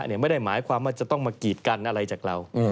ไม่ได้หมายความว่าจะต้องมากีดกันอะไรจากเรา